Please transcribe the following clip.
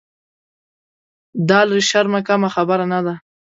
دا له شرمه کمه خبره نه ده.